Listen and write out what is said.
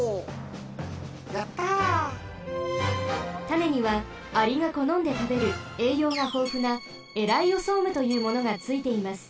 たねにはアリがこのんでたべるえいようがほうふなエライオソームというものがついています。